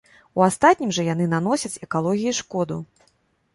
У астатнім жа яны наносяць экалогіі шкоду.